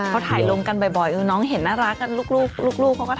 เขาไถ่ลงกันบ่อยเลยนอกเห็นนารักกันลูก